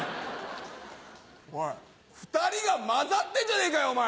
おい２人がまざってんじゃねえかよお前。